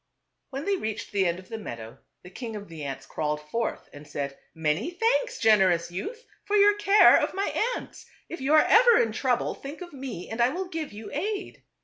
When they reached the end of the meadow, the king of the ants crawled forth and said, " Many thanks, generous youth, for your care of my ants. If you are ever in trouble, think of me and I will give you aid."